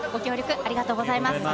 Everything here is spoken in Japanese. ありがとうございます。